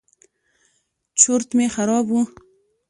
چورت مې خراب و.